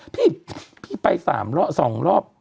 พี่ไปสามรอบสองรอบ